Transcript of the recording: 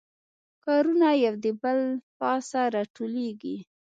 کارونه یو د بل پاسه راټولیږي